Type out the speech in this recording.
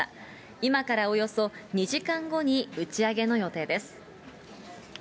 今からおよそ２時間後に打ち上げの予定です。